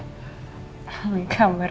kamu apa kabar bel